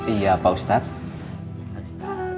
iya pak ustadz